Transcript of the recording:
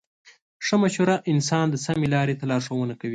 ښه مشوره انسان د سمې لارې ته لارښوونه کوي.